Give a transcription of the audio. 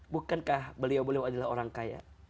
bukankah beliau beliau adalah orang kaya